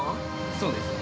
◆そうですね。